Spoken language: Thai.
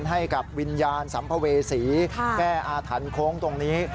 ให้กับวิญญาณสัมภเวษีแก้อาถรรพ์โค้งตรงนี้